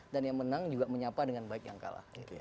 dan yang menang juga menyapa dengan baik yang kalah